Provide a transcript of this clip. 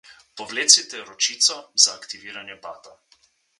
Povlecite ročico za aktiviranje bata.